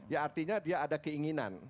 ya artinya dia ada keinginan